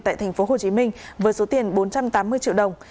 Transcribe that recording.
tại tp hcm với số tiền bốn trăm tám mươi triệu đồng